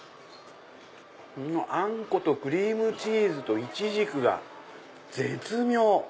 あんことクリームチーズとイチジクが絶妙！